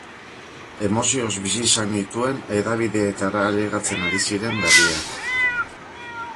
Emozioz bizi izan nituen hedabideetara ailegatzen ari ziren berriak.